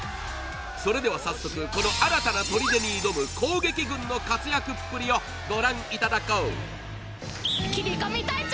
それでは早速この新たな砦に挑む攻撃軍の活躍っぷりをご覧いただこう切り込み隊長